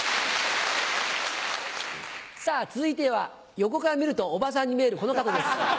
さぁ続いては横から見るとおばさんに見えるこの方です。